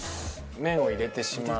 麺を入れてしまって。